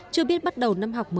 chưa biết bắt đầu năm học mới